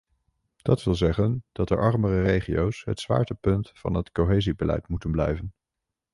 Dat wil zeggen dat de armere regio's het zwaartepunt van het cohesiebeleid moeten blijven.